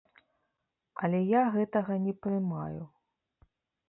Але я гэтага не прымаю.